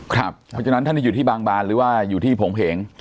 เพราะฉะนั้นท่านที่อยู่ที่บางบานหรือว่าอยู่ที่โผงเพง